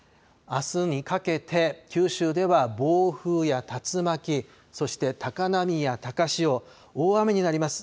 あすにかけて九州では暴風や竜巻、そして高波や高潮、大雨になります。